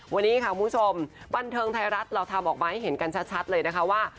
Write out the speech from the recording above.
วันนี้ค่ะคุณผู้ชมบันเทิงไทยรัฐเราทำออกมาให้เห็นกันชัดเลยนะคะว่า